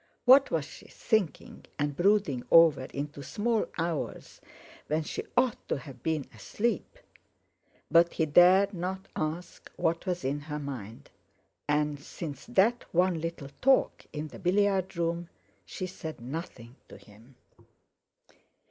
What was she thinking and brooding over into small hours when she ought to have been asleep? But he dared not ask what was in her mind; and, since that one little talk in the billiard room, she said nothing to him.